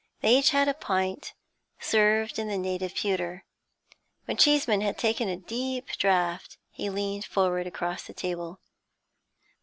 They each had a pint, served in the native pewter. When Cheeseman had taken a deep draught he leaned forward across the table.